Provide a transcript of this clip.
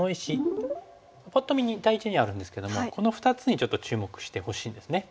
パッと見似た位置にあるんですけどもこの２つにちょっと注目してほしいんですね。